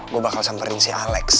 gue bakal samperin si alex